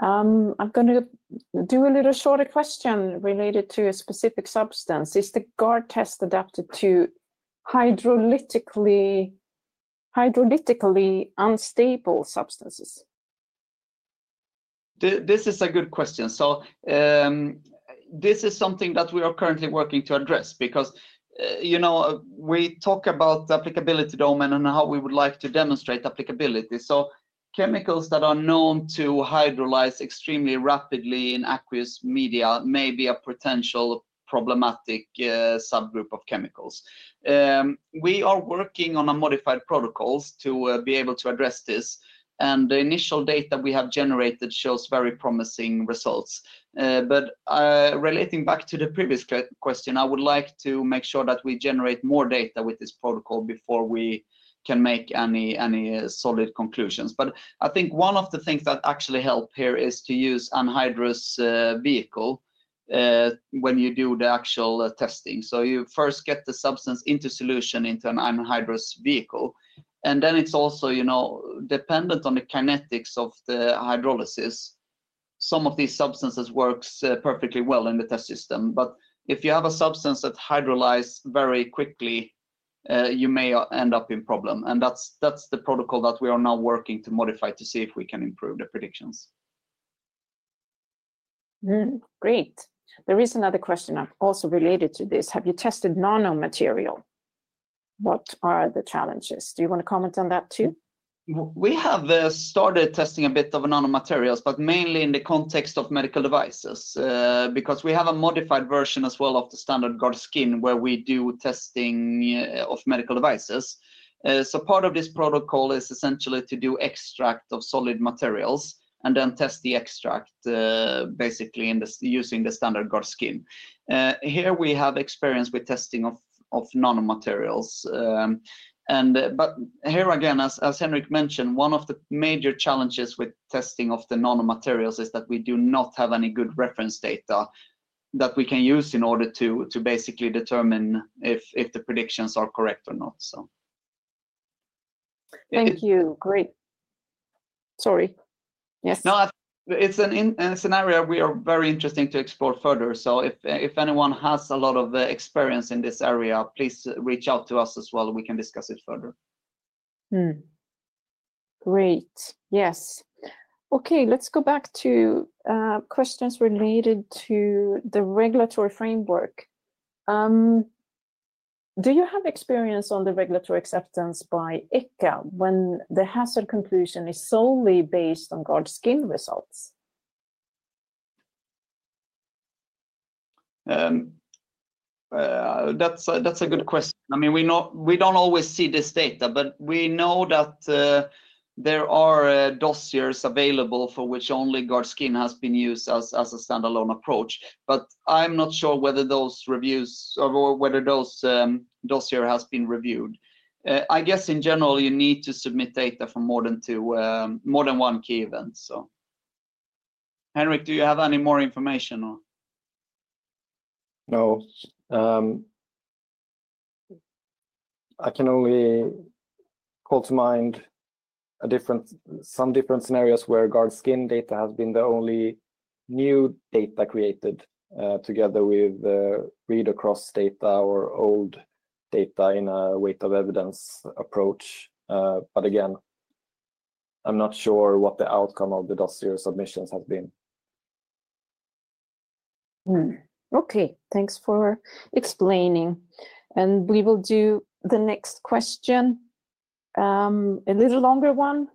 I'm going to do a little shorter question related to a specific substance. Is the GARD test adapted to hydrolytically unstable substances? This is a good question. This is something that we are currently working to address because, you know, we talk about the applicability domain and how we would like to demonstrate applicability. Chemicals that are known to hydrolyze extremely rapidly in aqueous media may be a potential problematic subgroup of chemicals. We are working on modified protocols to be able to address this. The initial data we have generated shows very promising results. Relating back to the previous question, I would like to make sure that we generate more data with this protocol before we can make any solid conclusions. I think one of the things that actually help here is to use an anhydrous vehicle when you do the actual testing. You first get the substance into solution into an anhydrous vehicle. It is also, you know, dependent on the kinetics of the hydrolysis. Some of these substances work perfectly well in the test system. If you have a substance that hydrolyzes very quickly, you may end up in a problem. That is the protocol that we are now working to modify to see if we can improve the predictions. Great. There is another question also related to this. Have you tested nanomaterial? What are the challenges? Do you want to comment on that too? We have started testing a bit of nanomaterials, but mainly in the context of medical devices, because we have a modified version as well of the standard GARD-skin where we do testing of medical devices. Part of this protocol is essentially to do extract of solid materials and then test the extract, basically using the standard GARD-skin. Here we have experience with testing of nanomaterials. Here again, as Henrik mentioned, one of the major challenges with testing of the nanomaterials is that we do not have any good reference data that we can use in order to basically determine if the predictions are correct or not. Thank you. Great. Sorry. Yes. No. It's an area we are very interested to explore further. If anyone has a lot of experience in this area, please reach out to us as well. We can discuss it further. Great. Yes. Okay, let's go back to questions related to the regulatory framework. Do you have experience on the regulatory acceptance by ICCA when the hazard conclusion is solely based on GARD-skin results? That's a good question. I mean, we don't always see this data, but we know that there are dossiers available for which only GARD-skin has been used as a standalone approach. I'm not sure whether those reviews or whether those dossiers have been reviewed. I guess in general, you need to submit data for more than one key event. Henrik, do you have any more information? No. I can only call to mind some different scenarios where GARD-skin data has been the only new data created together with read-across data or old data in a weight of evidence approach. Again, I'm not sure what the outcome of the dossier submissions has been. Okay, thanks for explaining. We will do the next question, a little longer one.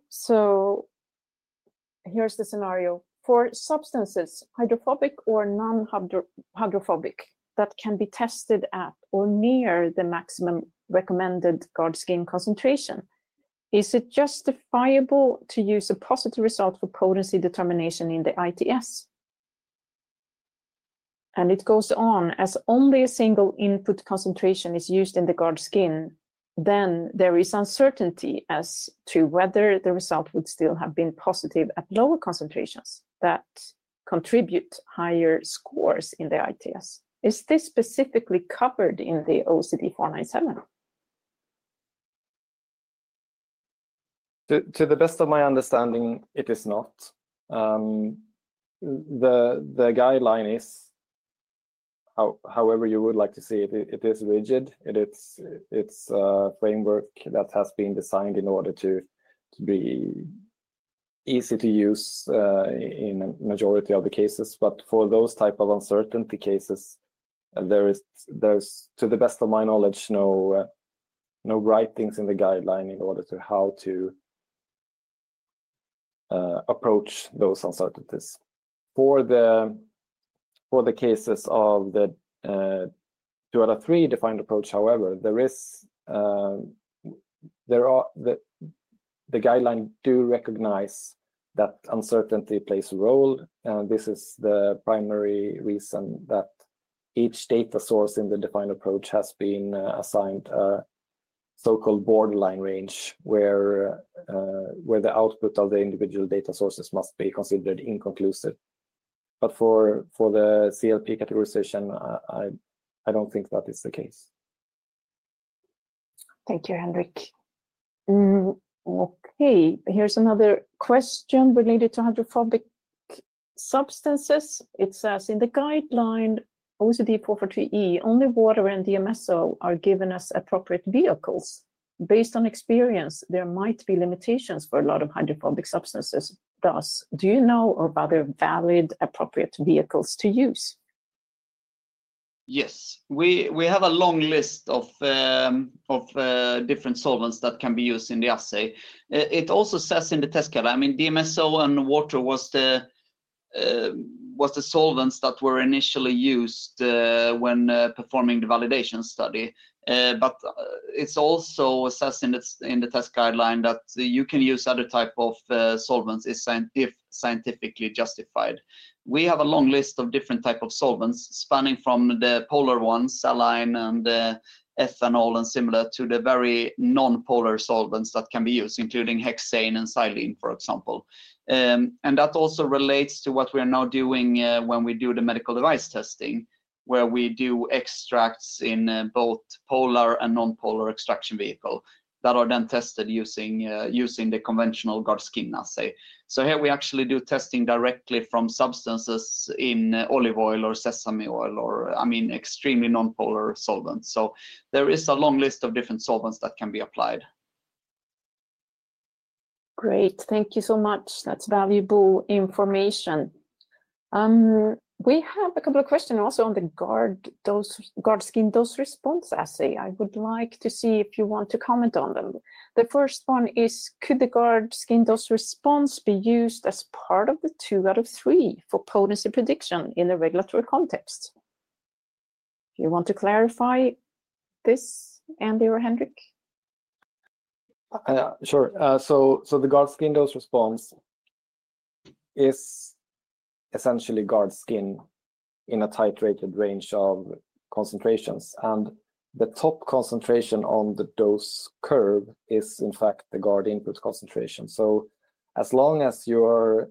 Here's the scenario. For substances, hydrophobic or non-hydrophobic, that can be tested at or near the maximum recommended GARD-skin concentration, is it justifiable to use a positive result for potency determination in the ITS? It goes on. As only a single input concentration is used in the GARD-skin, then there is uncertainty as to whether the result would still have been positive at lower concentrations that contribute higher scores in the ITS. Is this specifically covered in the OECD 497? To the best of my understanding, it is not. The guideline is, however you would like to see it, it is rigid. It's a framework that has been designed in order to be easy to use in a majority of the cases. For those types of uncertainty cases, there is, to the best of my knowledge, no writings in the guideline in order to how to approach those uncertainties. For the cases of the 2(3) Defined Approach, however, the guideline does recognize that uncertainty plays a role. This is the primary reason that each data source in the defined approach has been assigned a so-called borderline range where the output of the individual data sources must be considered inconclusive. For the CLP categorization, I don't think that is the case. Thank you, Henrik. Okay, here's another question related to hydrophobic substances. It says, in the guideline, OECD 442E, only water and DMSO are given as appropriate vehicles. Based on experience, there might be limitations for a lot of hydrophobic substances. Thus, do you know of other valid, appropriate vehicles to use? Yes, we have a long list of different solvents that can be used in the assay. It also says in the test guideline, I mean, DMSO and water were the solvents that were initially used when performing the validation study. But it also says in the test guideline that you can use other types of solvents if scientifically justified. We have a long list of different types of solvents spanning from the polar ones, saline and ethanol and similar, to the very non-polar solvents that can be used, including hexane and xylene, for example. That also relates to what we are now doing when we do the medical device testing, where we do extracts in both polar and non-polar extraction vehicle that are then tested using the conventional GARD-skin assay. Here we actually do testing directly from substances in olive oil or sesame oil or, I mean, extremely non-polar solvents. There is a long list of different solvents that can be applied. Great. Thank you so much. That's valuable information. We have a couple of questions also on the GARD-skin dose response assay. I would like to see if you want to comment on them. The first one is, could the GARD-skin dose response be used as part of the 2 out of 3 for potency prediction in a regulatory context? Do you want to clarify this, Andy or Henrik? Sure. The GARD-skin dose response is essentially GARD-skin in a titrated range of concentrations. The top concentration on the dose curve is, in fact, the GARD input concentration. As long as you're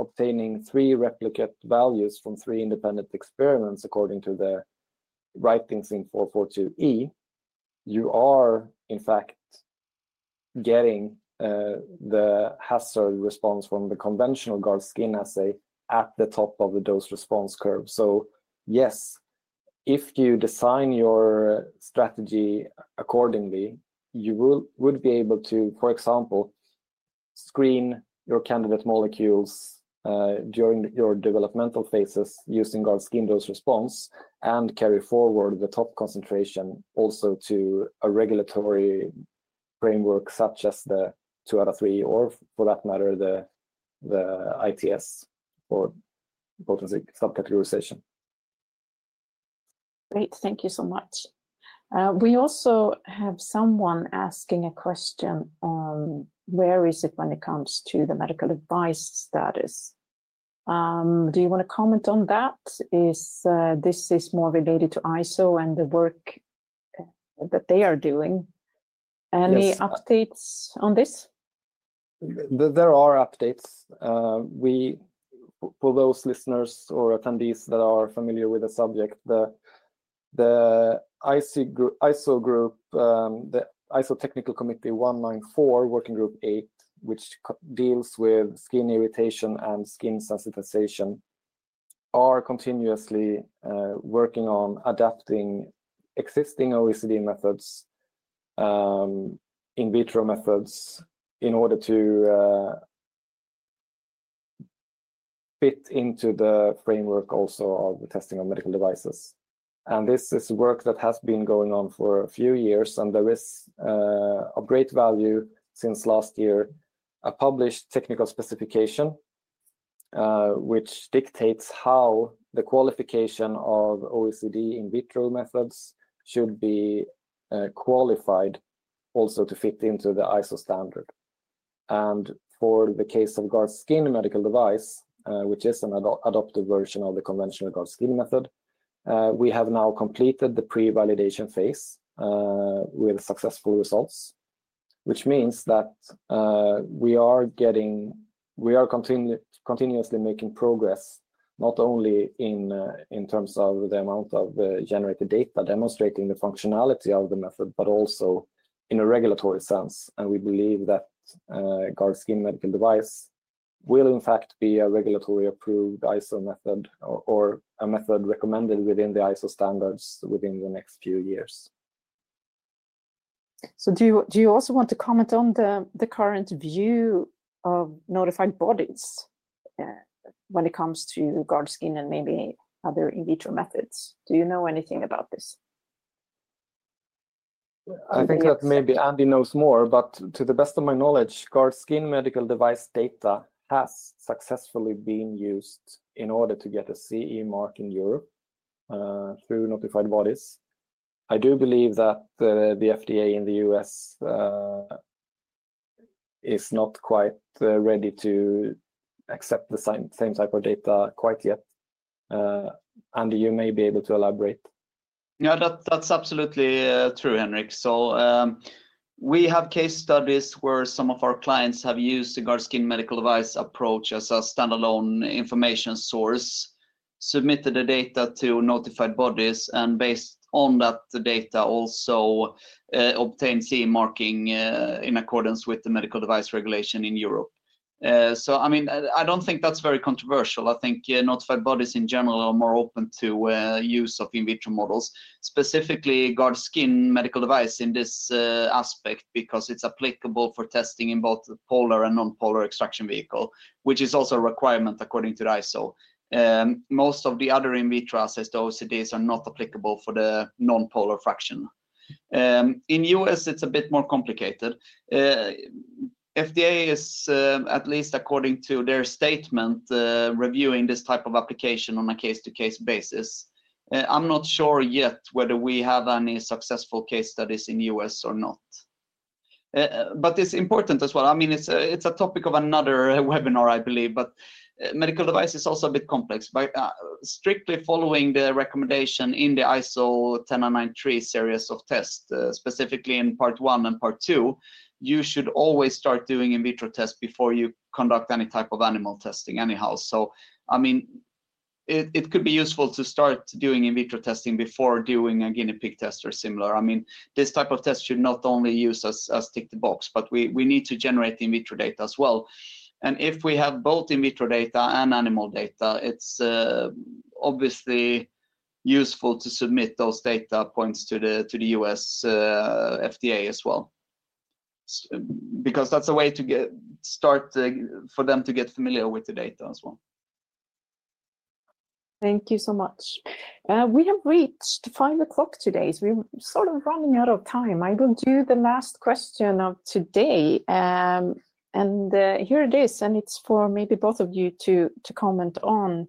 obtaining three replicate values from three independent experiments according to the writings in 442E, you are, in fact, getting the hazard response from the conventional GARD-skin assay at the top of the dose response curve. Yes, if you design your strategy accordingly, you would be able to, for example, screen your candidate molecules during your developmental phases using GARD-skin dose response and carry forward the top concentration also to a regulatory framework such as the 2 out of 3 or, for that matter, the ITS or potency subcategorization. Great. Thank you so much. We also have someone asking a question on where is it when it comes to the medical advice status. Do you want to comment on that? This is more related to ISO and the work that they are doing. Any updates on this? There are updates. For those listeners or attendees that are familiar with the subject, the ISO group, the ISO Technical Committee 194 Working Group 8, which deals with skin irritation and skin sensitization, are continuously working on adapting existing OECD methods, in vitro methods, in order to fit into the framework also of the testing of medical devices. This is work that has been going on for a few years. There is of great value since last year, a published technical specification, which dictates how the qualification of OECD in vitro methods should be qualified also to fit into the ISO standard. For the case of GARD-skin medical device, which is an adopted version of the conventional GARD-skin method, we have now completed the pre-validation phase with successful results, which means that we are continuously making progress not only in terms of the amount of generated data demonstrating the functionality of the method, but also in a regulatory sense. We believe that GARD-skin medical device will, in fact, be a regulatory approved ISO method or a method recommended within the ISO standards within the next few years. Do you also want to comment on the current view of notified bodies when it comes to GARD-skin and maybe other in vitro methods? Do you know anything about this? I think that maybe Andy knows more, but to the best of my knowledge, GARD-skin medical device data has successfully been used in order to get a CE mark in Europe through notified bodies. I do believe that the FDA in the U.S. is not quite ready to accept the same type of data quite yet. Andy, you may be able to elaborate. Yeah. That's absolutely true, Henrik. We have case studies where some of our clients have used the GARD-skin medical device approach as a standalone information source, submitted the data to notified bodies, and based on that data, also obtained CE marking in accordance with the medical device regulation in Europe. I mean, I don't think that's very controversial. I think notified bodies in general are more open to use of in vitro models, specifically GARD-skin medical device in this aspect because it's applicable for testing in both polar and non-polar extraction vehicle, which is also a requirement according to ISO. Most of the other in vitro assays, the OECDs, are not applicable for the non-polar fraction. In the U.S., it's a bit more complicated. The FDA is, at least according to their statement, reviewing this type of application on a case-to-case basis. I'm not sure yet whether we have any successful case studies in the U.S. or not. I mean, it's important as well. I mean, it's a topic of another webinar, I believe. Medical device is also a bit complex. Strictly following the recommendation in the ISO 10993 series of tests, specifically in part one and part two, you should always start doing in vitro tests before you conduct any type of animal testing anyhow. I mean, it could be useful to start doing in vitro testing before doing a Guinea pig test or similar. I mean, this type of test should not only use us as tick the box, but we need to generate in vitro data as well. If we have both in vitro data and animal data, it's obviously useful to submit those data points to the US FDA as well because that's a way to start for them to get familiar with the data as well. Thank you so much. We have reached 5:00 P.M. today, so we're sort of running out of time. I will do the last question of today. Here it is. It is for maybe both of you to comment on.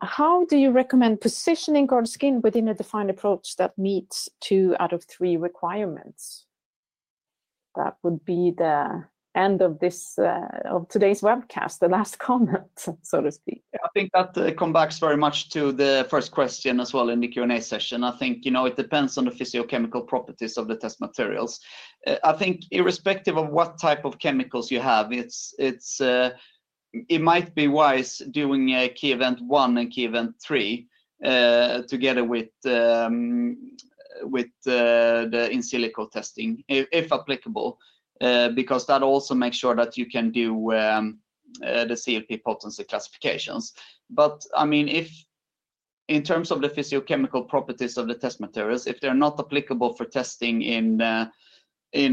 How do you recommend positioning GARD-skin within a defined approach that meets two out of three requirements? That would be the end of today's webcast, the last comment, so to speak. I think that comes back very much to the first question as well in the Q&A session. I think, you know, it depends on the physicochemical properties of the test materials. I think irrespective of what type of chemicals you have, it might be wise doing key event one and key event three together with the in silico testing, if applicable, because that also makes sure that you can do the CLP potency classifications. I mean, in terms of the physicochemical properties of the test materials, if they're not applicable for testing in key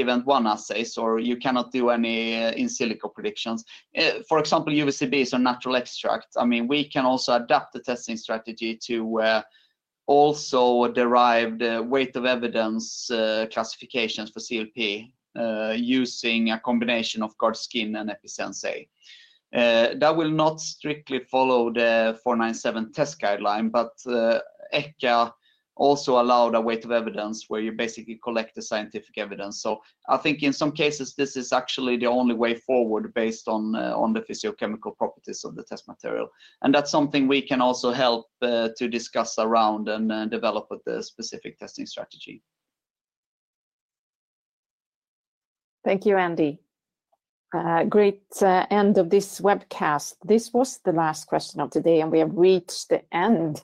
event one assays or you cannot do any in silico predictions, for example, UVCBs or natural extract, I mean, we can also adapt the testing strategy to also derive the weight of evidence classifications for CLP using a combination of GARD-skin and EpiSensA. That will not strictly follow the 497 test guideline, but ECHA also allowed a weight of evidence where you basically collect the scientific evidence. I think in some cases, this is actually the only way forward based on the physiochemical properties of the test material. That's something we can also help to discuss around and develop a specific testing strategy. Thank you, Andy. Great end of this webcast. This was the last question of the day, and we have reached the end.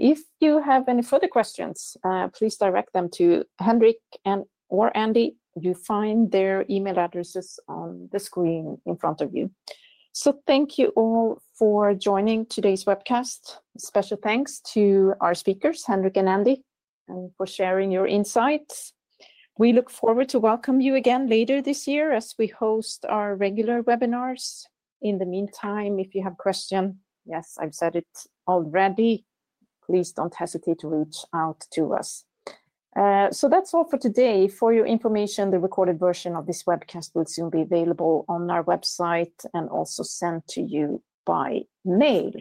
If you have any further questions, please direct them to Henrik or Andy. You find their email addresses on the screen in front of you. Thank you all for joining today's webcast. Special thanks to our speakers, Henrik and Andy, for sharing your insights. We look forward to welcome you again later this year as we host our regular webinars. In the meantime, if you have a question, yes, I've said it already, please don't hesitate to reach out to us. That's all for today. For your information, the recorded version of this webcast will soon be available on our website and also sent to you by mail.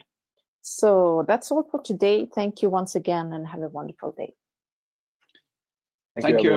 That's all for today. Thank you once again, and have a wonderful day. Thank you.